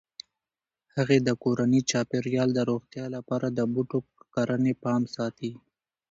هغې د کورني چاپیریال د روغتیا لپاره د بوټو کرنې پام ساتي.